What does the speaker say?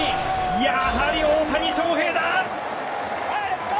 やはり大谷翔平だ！